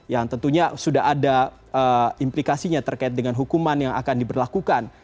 yang tentunya sudah ada implikasinya terkait dengan hukuman yang akan diberlakukan